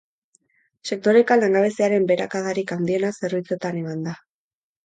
Sektoreka, langabeziaren beherakadarik handiena zerbitzuetan eman da.